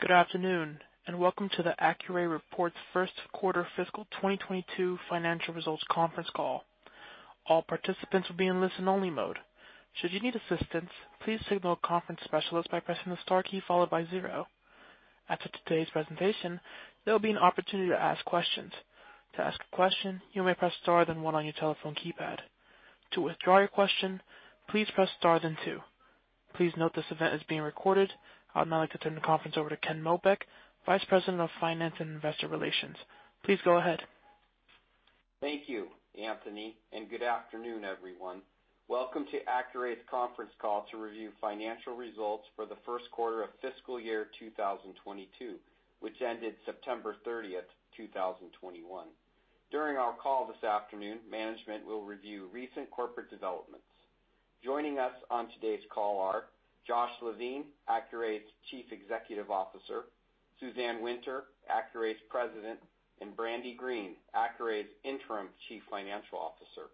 Good afternoon, and welcome to the Accuray Reports First Quarter Fiscal 2022 Financial Results conference call. All participants will be in listen-only mode. Should you need assistance, please signal a conference specialist by pressing the star key followed by zero. After today's presentation, there will be an opportunity to ask questions. To ask a question, you may press star then one on your telephone keypad. To withdraw your question, please press star then two. Please note this event is being recorded. I would now like to turn the conference over to Ken Mobeck, Vice President of Finance and Investor Relations. Please go ahead. Thank you, Anthony, and good afternoon, everyone. Welcome to Accuray's conference call to review financial results for the first quarter of fiscal year 2022, which ended September 30, 2021. During our call this afternoon, management will review recent corporate developments. Joining us on today's call are Josh Levine, Accuray's Chief Executive Officer, Suzanne Winter, Accuray's President, and Brandy Green, Accuray's Interim Chief Financial Officer.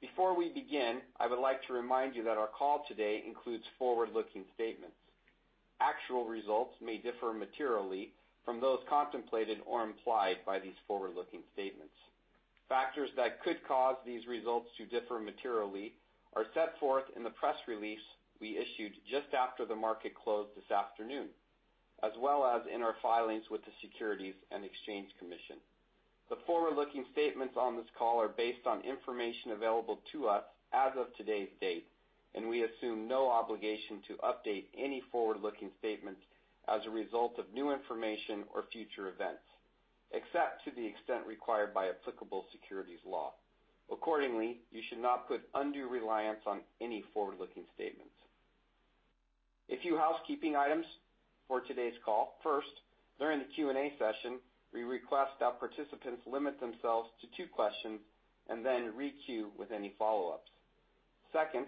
Before we begin, I would like to remind you that our call today includes forward-looking statements. Actual results may differ materially from those contemplated or implied by these forward-looking statements. Factors that could cause these results to differ materially are set forth in the press release we issued just after the market closed this afternoon, as well as in our filings with the Securities and Exchange Commission. The forward-looking statements on this call are based on information available to us as of today's date, and we assume no obligation to update any forward-looking statements as a result of new information or future events, except to the extent required by applicable securities law. Accordingly, you should not put undue reliance on any forward-looking statements. A few housekeeping items for today's call. First, during the Q&A session, we request that participants limit themselves to two questions and then re-queue with any follow-ups. Second,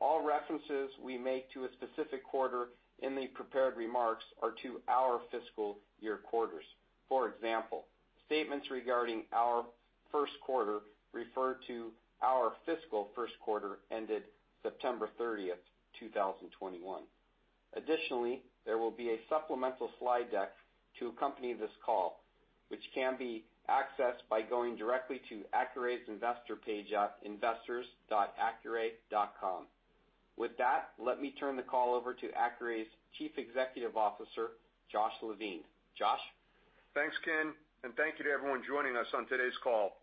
all references we make to a specific quarter in the prepared remarks are to our fiscal year quarters. For example, statements regarding our first quarter refer to our fiscal first quarter ended September 30, 2021. Additionally, there will be a supplemental slide deck to accompany this call, which can be accessed by going directly to Accuray's investor page at investors.accuray.com. With that, let me turn the call over to Accuray's Chief Executive Officer, Josh Levine. Josh? Thanks, Ken, and thank you to everyone joining us on today's call.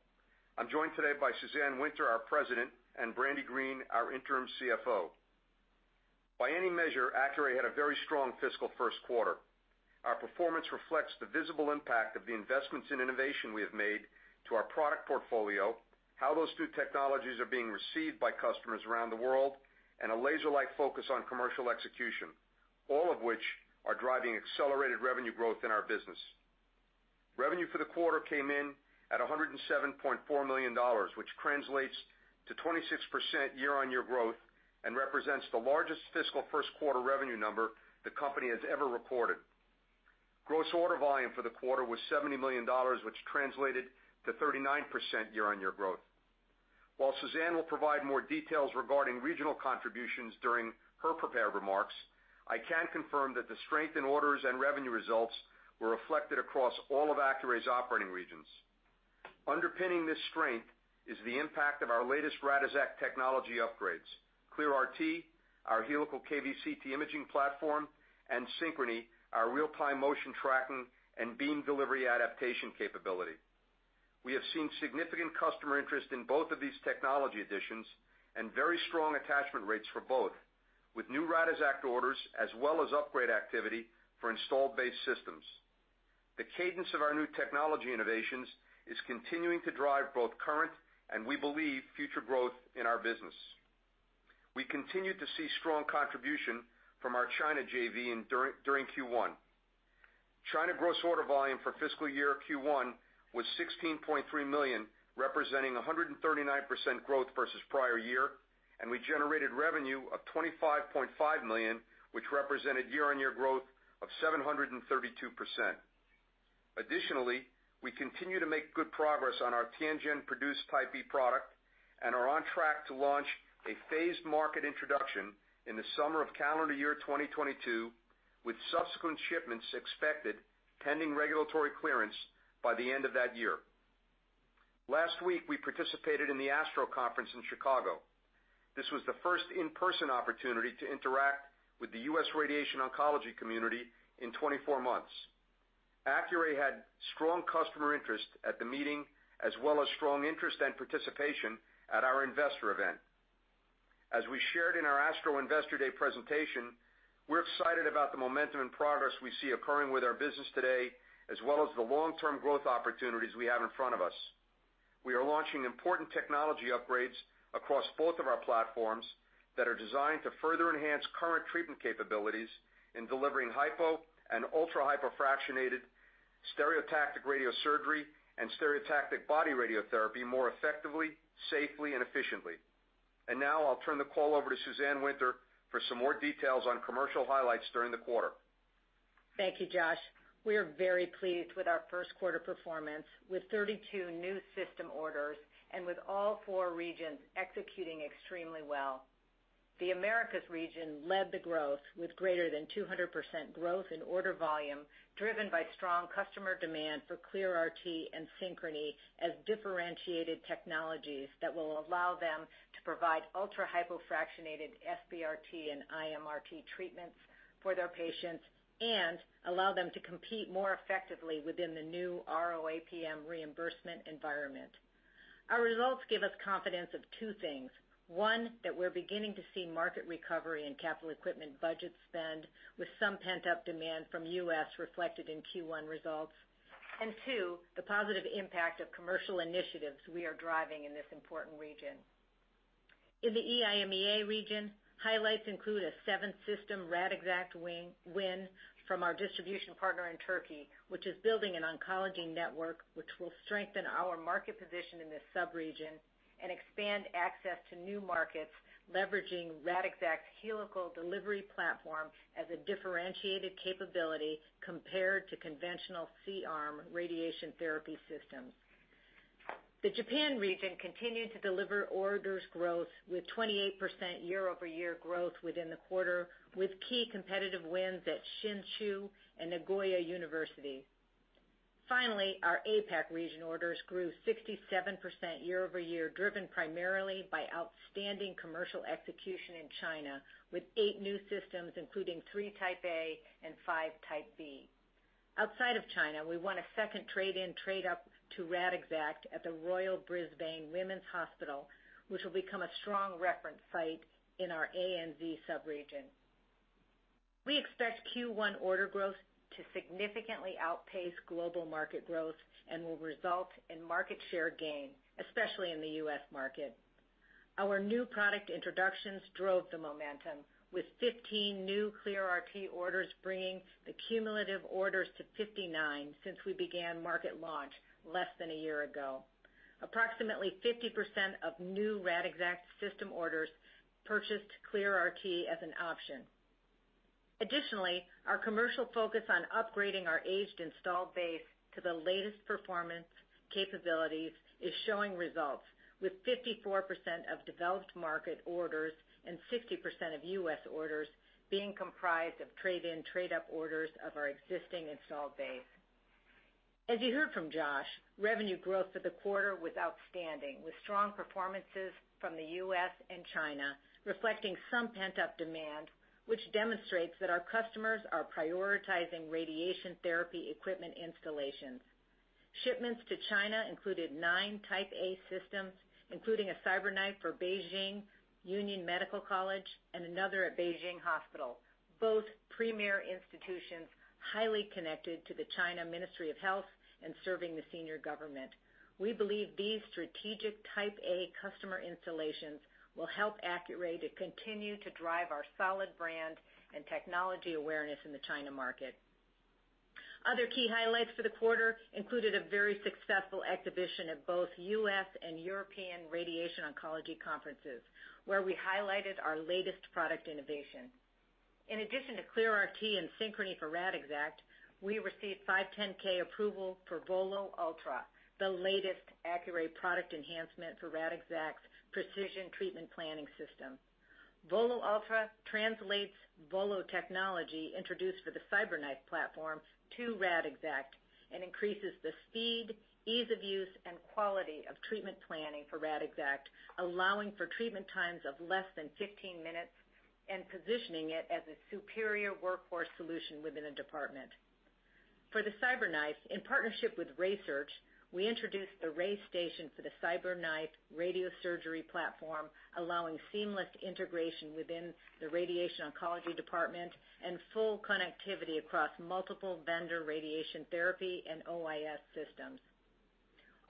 I'm joined today by Suzanne Winter, our President, and Brandy Green, our Interim CFO. By any measure, Accuray had a very strong fiscal first quarter. Our performance reflects the visible impact of the investments in innovation we have made to our product portfolio, how those new technologies are being received by customers around the world, and a laser-like focus on commercial execution, all of which are driving accelerated revenue growth in our business. Revenue for the quarter came in at $107.4 million, which translates to 26% year-on-year growth and represents the largest fiscal first quarter revenue number the company has ever reported. Gross order volume for the quarter was $70 million, which translated to 39% year-on-year growth. While Suzanne will provide more details regarding regional contributions during her prepared remarks, I can confirm that the strength in orders and revenue results were reflected across all of Accuray's operating regions. Underpinning this strength is the impact of our latest Radixact technology upgrades, ClearRT, our helical KVCT imaging platform, and Synchrony, our real-time motion tracking and beam delivery adaptation capability. We have seen significant customer interest in both of these technology additions and very strong attachment rates for both, with new Radixact orders as well as upgrade activity for installed base systems. The cadence of our new technology innovations is continuing to drive both current and we believe future growth in our business. We continue to see strong contribution from our China JV during Q1. China gross order volume for fiscal year Q1 was $16.3 million, representing 139% growth versus prior year, and we generated revenue of $25.5 million, which represented year-on-year growth of 732%. Additionally, we continue to make good progress on our Tianjin-produced Type B product and are on track to launch a phased market introduction in the summer of calendar year 2022, with subsequent shipments expected pending regulatory clearance by the end of that year. Last week, we participated in the ASTRO conference in Chicago. This was the first in-person opportunity to interact with the U.S. radiation oncology community in 24 months. Accuray had strong customer interest at the meeting as well as strong interest and participation at our investor event. As we shared in our ASTRO Investor Day presentation, we're excited about the momentum and progress we see occurring with our business today as well as the long-term growth opportunities we have in front of us. We are launching important technology upgrades across both of our platforms that are designed to further enhance current treatment capabilities in delivering hypo and ultra-hypofractionated stereotactic radiosurgery and stereotactic body radiotherapy more effectively, safely, and efficiently. Now I'll turn the call over to Suzanne Winter for some more details on commercial highlights during the quarter. Thank you, Josh. We are very pleased with our first quarter performance with 32 new system orders and with all four regions executing extremely well. The Americas region led the growth with greater than 200% growth in order volume, driven by strong customer demand for ClearRT and Synchrony as differentiated technologies that will allow them to provide ultra-hypofractionated SBRT and IMRT treatments for their patients and allow them to compete more effectively within the new ROAPM reimbursement environment. Our results give us confidence of two things. One, that we're beginning to see market recovery and capital equipment budget spend with some pent-up demand from U.S. reflected in Q1 results. Two, the positive impact of commercial initiatives we are driving in this important region. In the EIMEA region, highlights include a 7-system Radixact win from our distribution partner in Turkey, which is building an oncology network which will strengthen our market position in this sub-region and expand access to new markets, leveraging Radixact's helical delivery platform as a differentiated capability compared to conventional C-arm radiation therapy systems. The Japan region continued to deliver orders growth with 28% year-over-year growth within the quarter, with key competitive wins at Shinshu University and Nagoya University. Finally, our APAC region orders grew 67% year-over-year, driven primarily by outstanding commercial execution in China, with eight new systems, including three Type A and five Type B. Outside of China, we won a second trade-in, trade-up to Radixact at the Royal Brisbane and Women's Hospital, which will become a strong reference site in our ANZ sub-region. We expect Q1 order growth to significantly outpace global market growth and will result in market share gain, especially in the U.S. market. Our new product introductions drove the momentum with 15 new ClearRT orders, bringing the cumulative orders to 59 since we began market launch less than a year ago. Approximately 50% of new Radixact system orders purchased ClearRT as an option. Additionally, our commercial focus on upgrading our aged installed base to the latest performance capabilities is showing results with 54% of developed market orders and 60% of U.S. orders being comprised of trade-in trade-up orders of our existing installed base. As you heard from Josh, revenue growth for the quarter was outstanding, with strong performances from the U.S. and China reflecting some pent-up demand, which demonstrates that our customers are prioritizing radiation therapy equipment installations. Shipments to China included nine Type A systems, including a CyberKnife for Peking Union Medical College and another at Beijing Hospital, both premier institutions highly connected to the China Ministry of Health and serving the senior government. We believe these strategic Type A customer installations will help Accuray to continue to drive our solid brand and technology awareness in the China market. Other key highlights for the quarter included a very successful exhibition at both U.S. and European Radiation Oncology Conferences, where we highlighted our latest product innovation. In addition to ClearRT and Synchrony for Radixact, we received 510(k) approval for VOLO Ultra, the latest Accuray product enhancement for Radixact's Precision treatment planning system. VOLO Ultra translates VOLO technology introduced for the CyberKnife platform to Radixact and increases the speed, ease of use and quality of treatment planning for Radixact, allowing for treatment times of less than 15 minutes and positioning it as a superior workforce solution within a department. For the CyberKnife, in partnership with RaySearch, we introduced the RayStation for the CyberKnife radiosurgery platform, allowing seamless integration within the radiation oncology department and full connectivity across multiple vendor radiation therapy and OIS systems.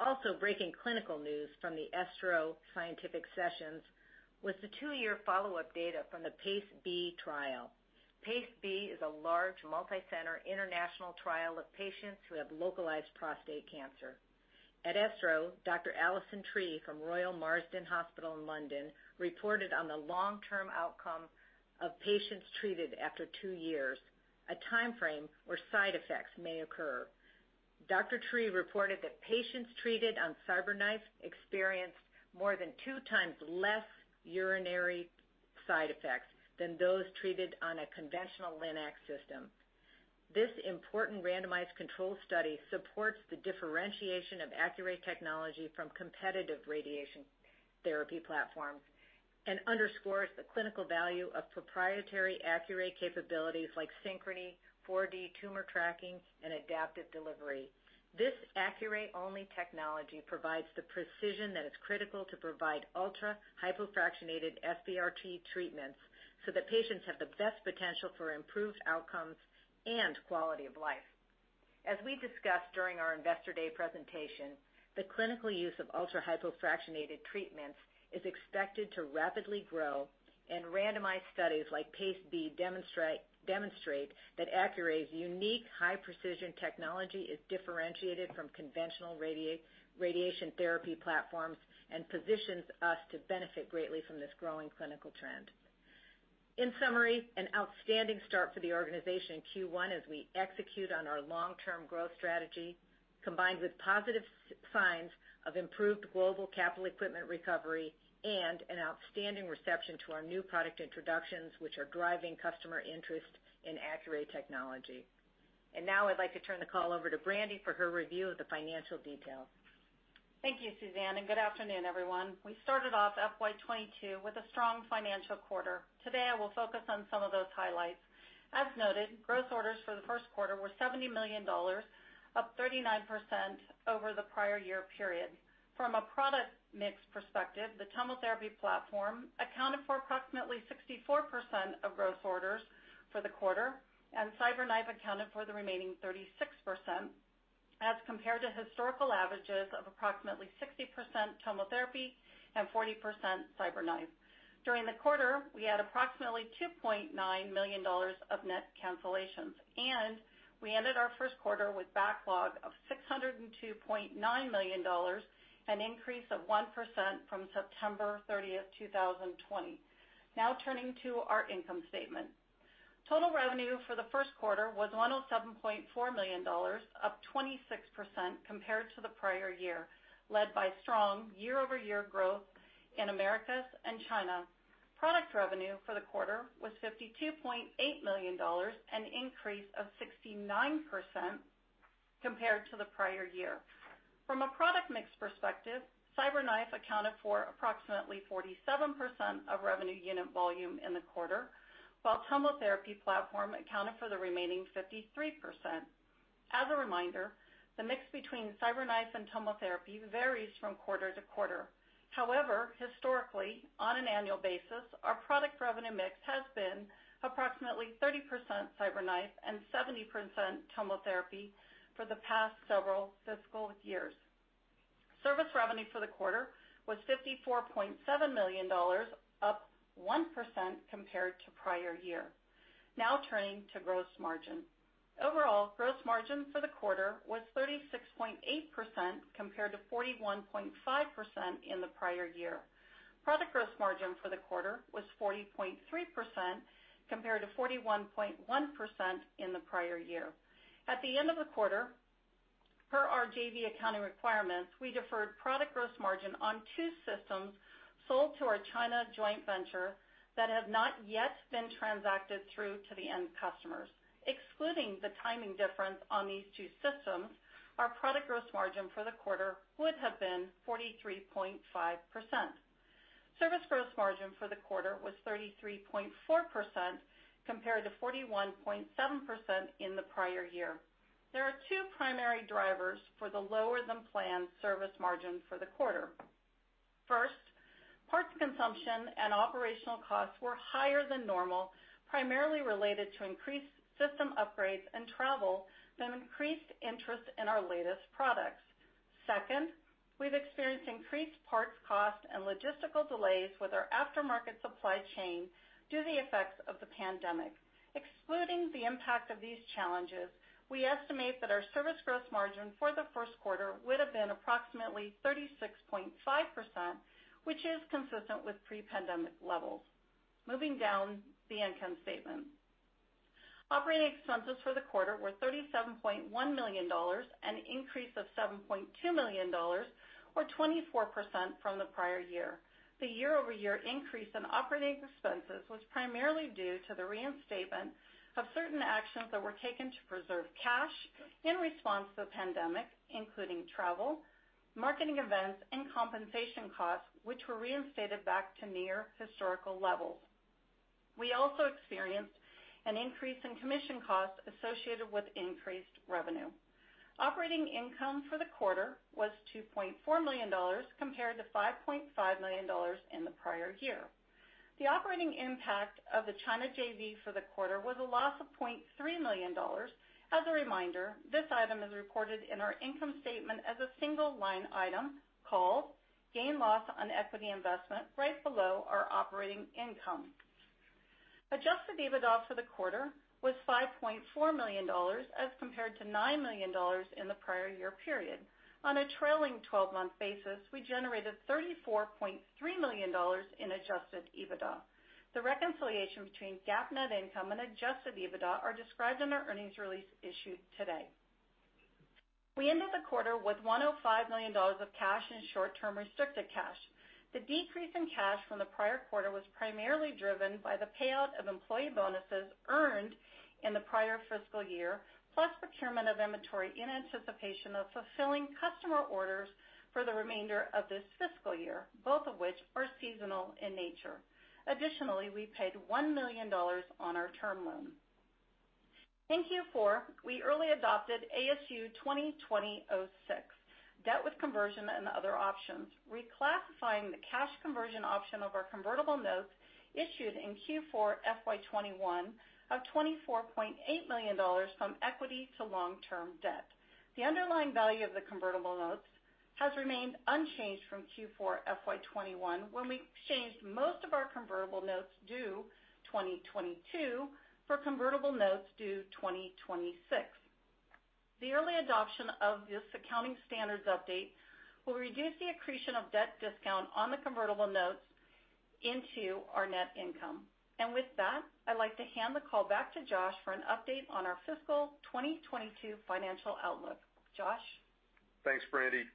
Also breaking clinical news from the ESTRO scientific sessions was the two-year follow-up data from the PACE-B trial. PACE-B is a large, multicenter international trial of patients who have localized prostate cancer. At ESTRO, Dr. Alison Tree from Royal Marsden Hospital in London reported on the long-term outcome of patients treated after 2 years, a time frame where side effects may occur. Dr. Tree reported that patients treated on CyberKnife experienced more than two times less urinary side effects than those treated on a conventional LINAC system. This important randomized control study supports the differentiation of Accuray technology from competitive radiation therapy platforms and underscores the clinical value of proprietary Accuray capabilities like Synchrony, 4D tumor tracking and adaptive delivery. This Accuray-only technology provides the precision that is critical to provide ultra-hypofractionated SBRT treatments so that patients have the best potential for improved outcomes and quality of life. As we discussed during our Investor Day presentation, the clinical use of ultra-hypofractionated treatments is expected to rapidly grow, and randomized studies like PACE-B demonstrate that Accuray's unique high-precision technology is differentiated from conventional radiation therapy platforms and positions us to benefit greatly from this growing clinical trend. In summary, an outstanding start for the organization in Q1 as we execute on our long-term growth strategy, combined with positive signs of improved global capital equipment recovery and an outstanding reception to our new product introductions, which are driving customer interest in Accuray technology. Now I'd like to turn the call over to Brandy for her review of the financial details. Thank you, Suzanne, and good afternoon, everyone. We started off FY 2022 with a strong financial quarter. Today, I will focus on some of those highlights. As noted, gross orders for the first quarter were $70 million, up 39% over the prior year period. From a product mix perspective, the TomoTherapy platform accounted for approximately 64% of gross orders for the quarter, and CyberKnife accounted for the remaining 36% as compared to historical averages of approximately 60% TomoTherapy and 40% CyberKnife. During the quarter, we had approximately $2.9 million of net cancellations, and we ended our first quarter with backlog of $602.9 million, an increase of 1% from September 30, 2020. Now turning to our income statement. Total revenue for the first quarter was $107.4 million, up 26% compared to the prior year, led by strong year-over-year growth in Americas and China. Product revenue for the quarter was $52.8 million, an increase of 69% compared to the prior year. From a product mix perspective, CyberKnife accounted for approximately 47% of revenue unit volume in the quarter, while TomoTherapy platform accounted for the remaining 53%. As a reminder, the mix between CyberKnife and TomoTherapy varies from quarter to quarter. However, historically, on an annual basis, our product revenue mix has been approximately 30% CyberKnife and 70% TomoTherapy for the past several fiscal years. Service revenue for the quarter was $54.7 million, up 1% compared to prior year. Now turning to gross margin. Overall, gross margin for the quarter was 36.8% compared to 41.5% in the prior year. Product gross margin for the quarter was 40.3% compared to 41.1% in the prior year. At the end of the quarter, per our JV accounting requirements, we deferred product gross margin on two systems sold to our China joint venture that have not yet been transacted through to the end customers. Excluding the timing difference on these two systems, our product gross margin for the quarter would have been 43.5%. Service gross margin for the quarter was 33.4% compared to 41.7% in the prior year. There are two primary drivers for the lower-than-planned service margin for the quarter. First, parts consumption and operational costs were higher than normal, primarily related to increased system upgrades and travel from increased interest in our latest products. Second, we've experienced increased parts cost and logistical delays with our aftermarket supply chain due to the effects of the pandemic. Excluding the impact of these challenges, we estimate that our service gross margin for the first quarter would have been approximately 36.5%, which is consistent with pre-pandemic levels. Moving down the income statement, operating expenses for the quarter were $37.1 million, an increase of $7.2 million or 24% from the prior year. The year-over-year increase in operating expenses was primarily due to the reinstatement of certain actions that were taken to preserve cash in response to the pandemic, including travel, marketing events, and compensation costs, which were reinstated back to near historical levels. We also experienced an increase in commission costs associated with increased revenue. Operating income for the quarter was $2.4 million compared to $5.5 million in the prior year. The operating impact of the China JV for the quarter was a loss of $0.3 million. As a reminder, this item is reported in our income statement as a single line item called gain/loss on equity investment right below our operating income. Adjusted EBITDA for the quarter was $5.4 million as compared to $9 million in the prior year period. On a trailing twelve-month basis, we generated $34.3 million in adjusted EBITDA. The reconciliation between GAAP net income and adjusted EBITDA are described in our earnings release issued today. We ended the quarter with $105 million of cash in short-term restricted cash. The decrease in cash from the prior quarter was primarily driven by the payout of employee bonuses earned in the prior fiscal year, plus procurement of inventory in anticipation of fulfilling customer orders for the remainder of this fiscal year, both of which are seasonal in nature. Additionally, we paid $1 million on our term loan. In Q4, we early adopted ASU 2020-06, Debt with Conversion and Other Options, reclassifying the cash conversion option of our convertible notes issued in Q4 FY 2021 of $24.8 million from equity to long-term debt. The underlying value of the convertible notes has remained unchanged from Q4 FY 2021 when we exchanged most of our convertible notes due 2022 for convertible notes due 2026. The early adoption of this accounting standards update will reduce the accretion of debt discount on the convertible notes into our net income. With that, I'd like to hand the call back to Josh for an update on our fiscal 2022 financial outlook. Josh? Thanks, Brandy.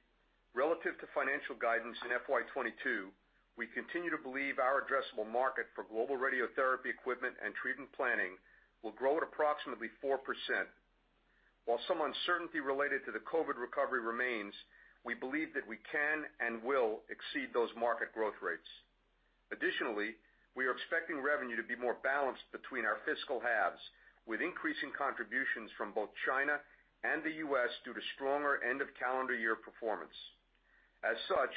Relative to financial guidance in FY 2022, we continue to believe our addressable market for global radiotherapy equipment and treatment planning will grow at approximately 4%. While some uncertainty related to the COVID recovery remains, we believe that we can and will exceed those market growth rates. Additionally, we are expecting revenue to be more balanced between our fiscal halves, with increasing contributions from both China and the U.S. due to stronger end of calendar year performance. As such,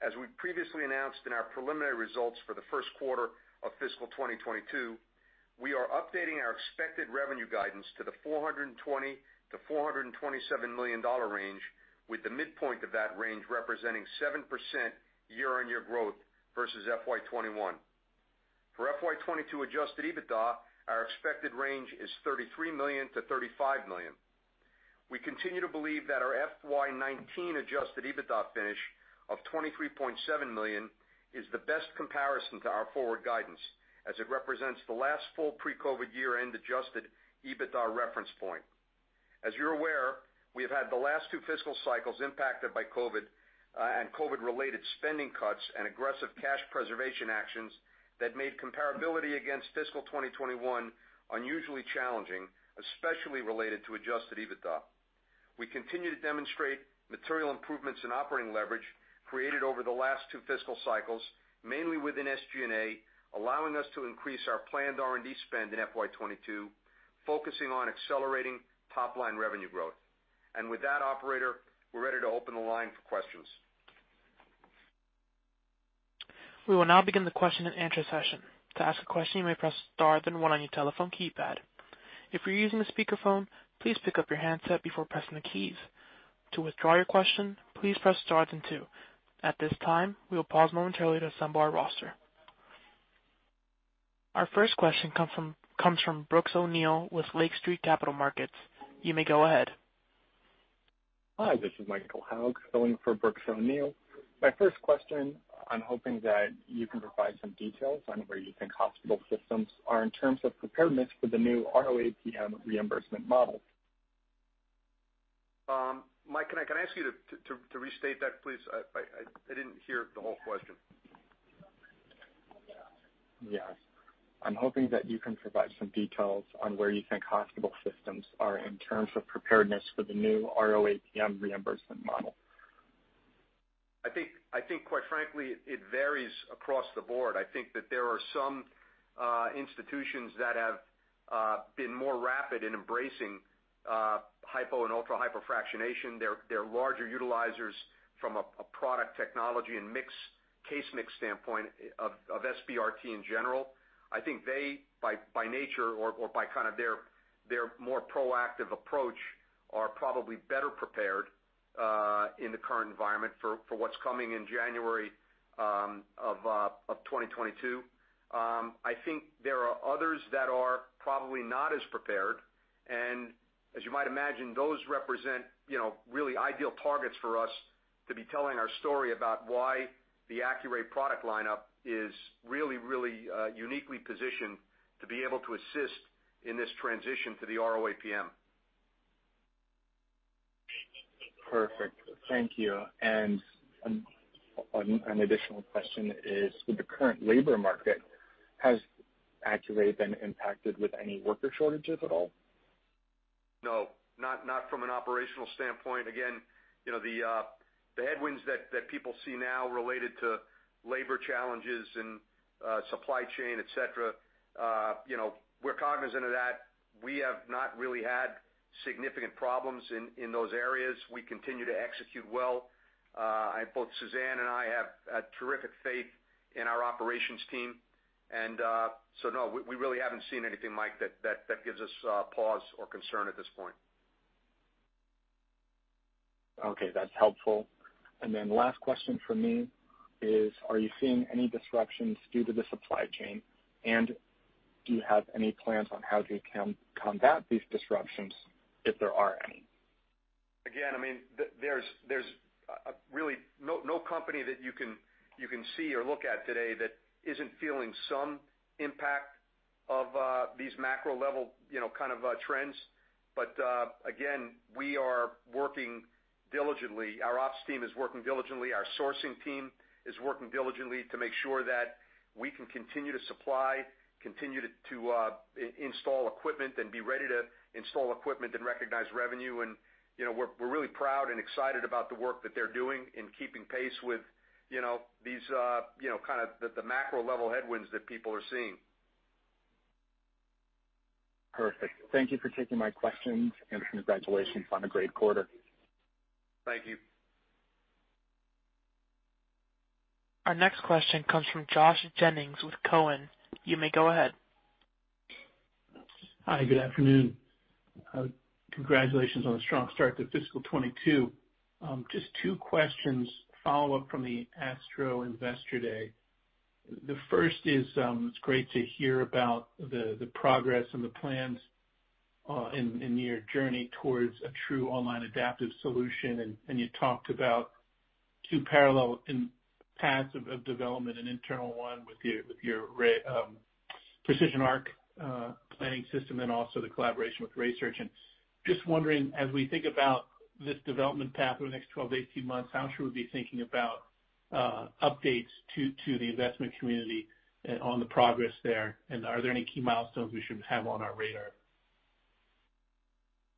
as we previously announced in our preliminary results for the first quarter of fiscal 2022, we are updating our expected revenue guidance to the $420 million-$427 million range, with the midpoint of that range representing 7% year-on-year growth versus FY 2021. For FY 2022 adjusted EBITDA, our expected range is $33 million-$35 million. We continue to believe that our FY 2019 adjusted EBITDA finish of $23.7 million is the best comparison to our forward guidance as it represents the last full pre-COVID year-end adjusted EBITDA reference point. As you're aware, we have had the last two fiscal cycles impacted by COVID, and COVID-related spending cuts and aggressive cash preservation actions that made comparability against fiscal 2021 unusually challenging, especially related to adjusted EBITDA. We continue to demonstrate material improvements in operating leverage created over the last two fiscal cycles, mainly within SG&A, allowing us to increase our planned R&D spend in FY 2022, focusing on accelerating top line revenue growth. With that operator, we're ready to open the line for questions. We will now begin the question and answer session. To ask a question, you may press star then one on your telephone keypad. If you're using a speakerphone, please pick up your handset before pressing the keys. To withdraw your question, please press stars and two. At this time, we will pause momentarily to assemble our roster. Our first question comes from Brooks O'Neill with Lake Street Capital Markets. You may go ahead. Hi, this is Michael Haug filling for Brooks O'Neill. My first question, I'm hoping that you can provide some details on where you think hospital systems are in terms of preparedness for the new ROAPM reimbursement model. Mike, can I ask you to restate that, please? I didn't hear the whole question. Yes. I'm hoping that you can provide some details on where you think hospital systems are in terms of preparedness for the new ROAPM reimbursement model. I think quite frankly, it varies across the board. I think that there are some institutions that have been more rapid in embracing hypo and ultra-hypo fractionation. They're larger utilizers from a product technology and case mix standpoint of SBRT in general. I think they by nature or by kind of their more proactive approach are probably better prepared in the current environment for what's coming in January of 2022. I think there are others that are probably not as prepared, and as you might imagine, those represent you know really ideal targets for us to be telling our story about why the Accuray product lineup is really uniquely positioned to be able to assist in this transition to the ROAPM. Perfect. Thank you. An additional question is, with the current labor market, has Accuray been impacted with any worker shortages at all? No, not from an operational standpoint. Again, you know, the headwinds that people see now related to labor challenges and supply chain, et cetera, you know, we're cognizant of that. We have not really had significant problems in those areas. We continue to execute well. Both Suzanne and I have terrific faith in our operations team. So no, we really haven't seen anything, Mike, that gives us pause or concern at this point. Okay, that's helpful. Last question from me is, are you seeing any disruptions due to the supply chain? And do you have any plans on how you can combat these disruptions if there are any? I mean, there's really no company that you can see or look at today that isn't feeling some impact of these macro level, you know, kind of, trends. Again, we are working diligently. Our ops team is working diligently. Our sourcing team is working diligently to make sure that we can continue to supply, continue to install equipment and be ready to install equipment and recognize revenue. You know, we're really proud and excited about the work that they're doing in keeping pace with, you know, these, you know, kind of the macro level headwinds that people are seeing. Perfect. Thank you for taking my questions, and congratulations on a great quarter. Thank you. Our next question comes from Joshua Jennings with Cowen. You may go ahead. Hi, good afternoon. Congratulations on the strong start to fiscal 2022. Just two questions follow up from the ASTRO Investor Day. The first is, it's great to hear about the progress and the plans in your journey towards a true online adaptive solution. You talked about two parallel paths of development, an internal one with your Precision planning system and also the collaboration with RaySearch. Just wondering, as we think about this development path over the next 12-18 months, how should we be thinking about updates to the investment community on the progress there? Are there any key milestones we should have on our radar?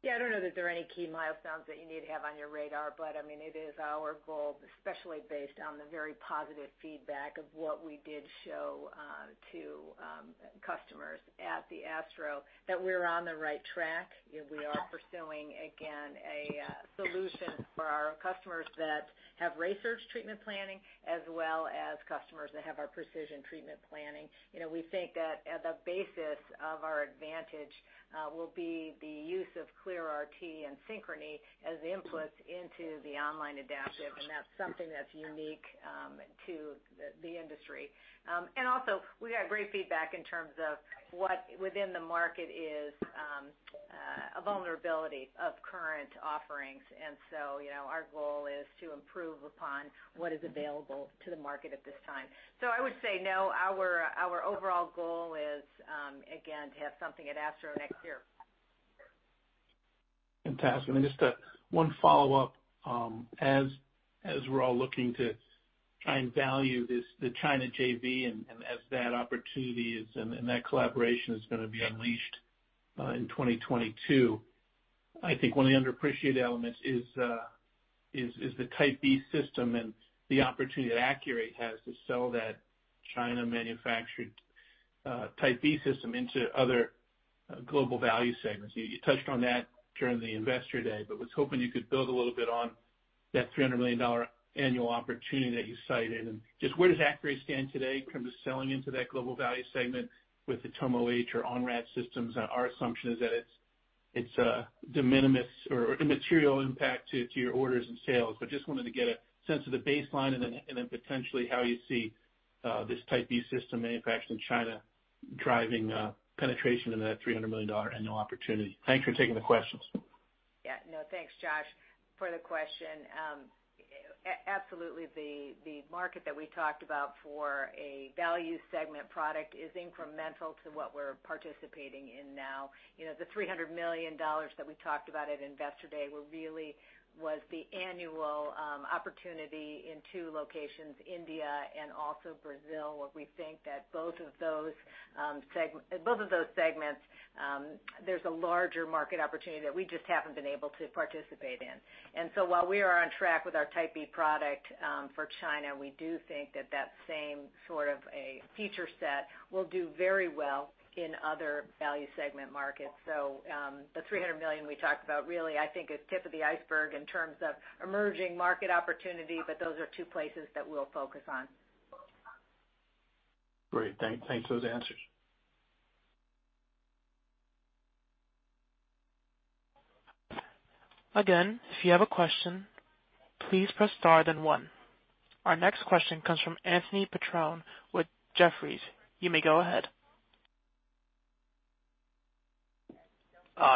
Yeah, I don't know that there are any key milestones that you need to have on your radar, but I mean, it is our goal, especially based on the very positive feedback of what we did show to customers at the ASTRO, that we're on the right track. You know, we are pursuing, again, a solution for our customers that have RaySearch treatment planning, as well as customers that have our Precision treatment planning. You know, we think that at the basis of our advantage will be the use of ClearRT and Synchrony as inputs into the online adaptive, and that's something that's unique to the industry. Also, we got great feedback in terms of what within the market is a vulnerability of current offerings. You know, our goal is to improve upon what is available to the market at this time. I would say, no, our overall goal is, again, to have something at ASTRO next year. Fantastic. Just one follow-up. As we're all looking to try and value the China JV and as that opportunity is, that collaboration is gonna be unleashed in 2022, I think one of the underappreciated elements is the Type B system and the opportunity that Accuray has to sell that China-manufactured Type B system into other global value segments. You touched on that during the Investor Day, but I was hoping you could build a little bit on that $300 million annual opportunity that you cited. Just where does Accuray stand today in terms of selling into that global value segment with the TomoH or Tomo C systems? Our assumption is that it's a de minimis or immaterial impact to your orders and sales. Just wanted to get a sense of the baseline and then potentially how you see this Type B system manufactured in China driving penetration into that $300 million annual opportunity. Thanks for taking the questions. Yeah, no. Thanks, Josh, for the question. Absolutely, the market that we talked about for a value segment product is incremental to what we're participating in now. You know, the $300 million that we talked about at Investor Day was the annual opportunity in two locations, India and also Brazil. What we think that both of those segments, there's a larger market opportunity that we just haven't been able to participate in. While we are on track with our Type B product for China, we do think that same sort of a feature set will do very well in other value segment markets. The $300 million we talked about really, I think, is the tip of the iceberg in terms of emerging market opportunity, but those are two places that we'll focus on. Great. Thanks for those answers. Again, if you have a question, please press star then one. Our next question comes from Anthony Petrone with Jefferies. You may go ahead.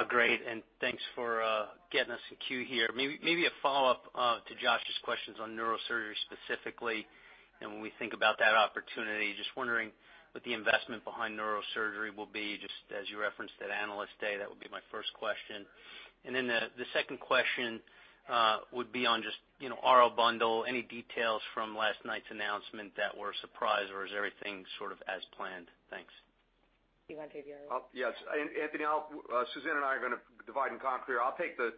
Great, thanks for getting us in queue here. Maybe a follow-up to Josh's questions on neurosurgery specifically, and when we think about that opportunity. Just wondering what the investment behind neurosurgery will be, just as you referenced at Analyst Day. That would be my first question. Then the second question would be on just, you know, RO bundle. Any details from last night's announcement that were a surprise, or is everything sort of as planned? Thanks. Do you wanna take the RO? Yes. Anthony, Suzanne and I are gonna divide and conquer here. I'll take the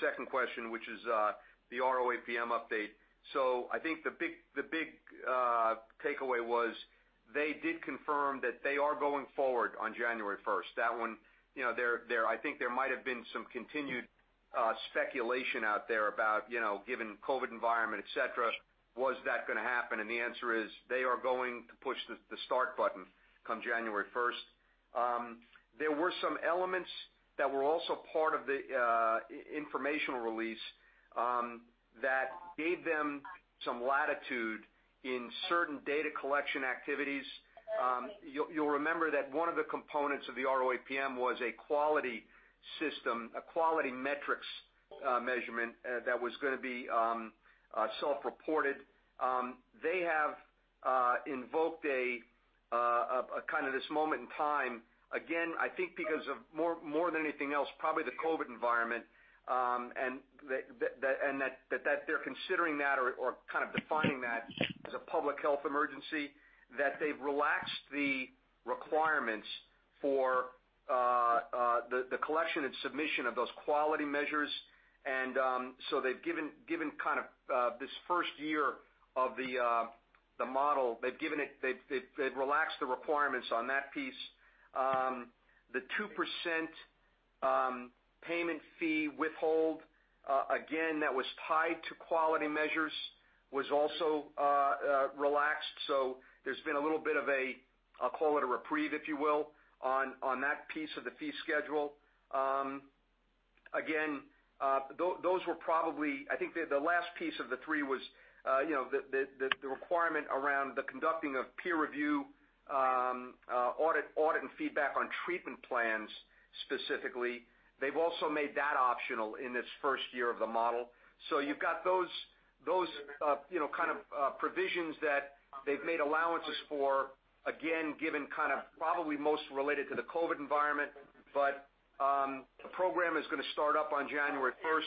second question, which is the ROAPM update. I think the big takeaway was they did confirm that they are going forward on January first. That one, you know, I think there might have been some continued speculation out there about, you know, given COVID environment, et cetera, was that gonna happen? The answer is they are going to push the start button come January first. There were some elements that were also part of the informational release that gave them some latitude in certain data collection activities. You'll remember that one of the components of the ROAPM was a quality system, quality metrics measurement that was gonna be self-reported. They have invoked a kind of this moment in time, again, I think because of more than anything else, probably the COVID environment, and that they're considering that or kind of defining that as a public health emergency, that they've relaxed the requirements for the collection and submission of those quality measures. They've given kind of this first year of the model. They've relaxed the requirements on that piece. The 2% payment fee withhold, again, that was tied to quality measures, was also relaxed. There's been a little bit of a, I'll call it a reprieve, if you will, on that piece of the fee schedule. Again, those were probably—I think the last piece of the three was, you know, the requirement around the conducting of peer review, audit and feedback on treatment plans specifically. They've also made that optional in this first year of the model. You've got those, you know, kind of, provisions that they've made allowances for, again, given kind of probably most related to the COVID environment. The program is gonna start up on January first.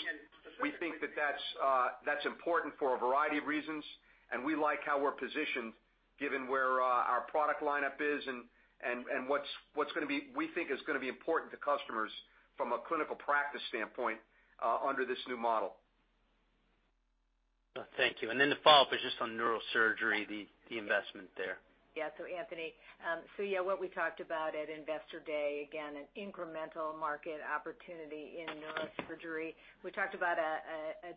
We think that that's important for a variety of reasons, and we like how we're positioned given where, our product lineup is and what's gonna be—we think is gonna be important to customers from a clinical practice standpoint, under this new model. Thank you. The follow-up is just on neurosurgery, the investment there. Anthony, what we talked about at Investor Day, again, an incremental market opportunity in neurosurgery. We talked about a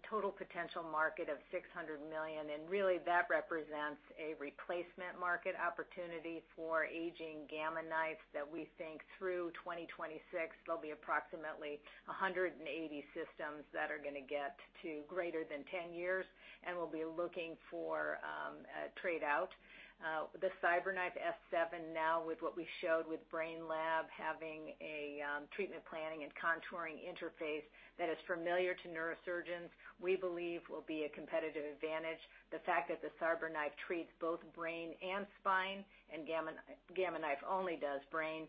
total potential market of $600 million, and really that represents a replacement market opportunity for aging Gamma Knives that we think through 2026, there'll be approximately 180 systems that are gonna get to greater than 10 years and will be looking for a trade-out. The CyberKnife S7 now with what we showed with Brainlab, having a treatment planning and contouring interface that is familiar to neurosurgeons, we believe will be a competitive advantage. The fact that the CyberKnife treats both brain and spine and Gamma Knife only does brain.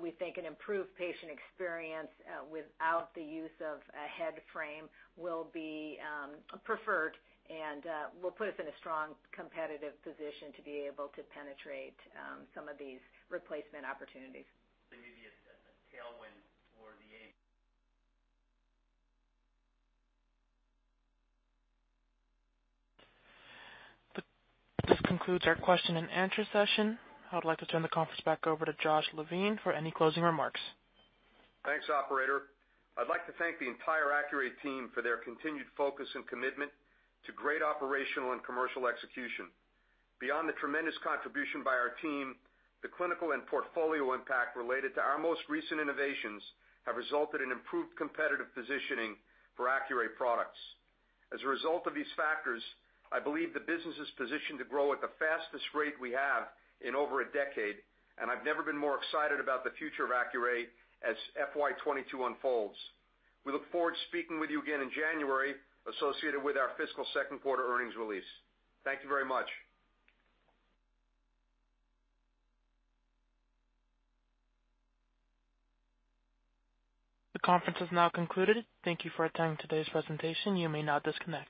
We think an improved patient experience without the use of a head frame will be preferred and will put us in a strong competitive position to be able to penetrate some of these replacement opportunities. There may be a tailwind for the aim. This concludes our question and answer session. I would like to turn the conference back over to Josh Levine for any closing remarks. Thanks, operator. I'd like to thank the entire Accuray team for their continued focus and commitment to great operational and commercial execution. Beyond the tremendous contribution by our team, the clinical and portfolio impact related to our most recent innovations have resulted in improved competitive positioning for Accuray products. As a result of these factors, I believe the business is positioned to grow at the fastest rate we have in over a decade, and I've never been more excited about the future of Accuray as FY 2022 unfolds. We look forward to speaking with you again in January associated with our fiscal second quarter earnings release. Thank you very much. The conference has now concluded. Thank you for attending today's presentation. You may now disconnect.